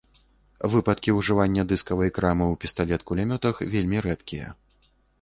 Выпадкі ўжывання дыскавай крамы ў пісталет-кулямётах вельмі рэдкія.